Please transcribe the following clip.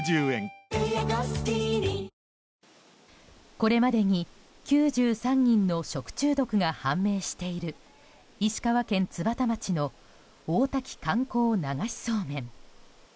これまでに９３人の食中毒が判明している石川県津幡町の大滝観光流しそうめん。